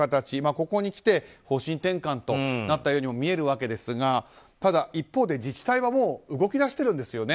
ここにきて、方針転換となったように見えるんですがただ、一方で自治体はもう動き出してるんですよね。